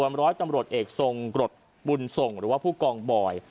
เมื่อวานร้อยตัมรดเอกทรงรถบุญส่งหรือผู้กองบอย